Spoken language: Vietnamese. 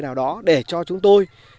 nào đó để cho chúng tôi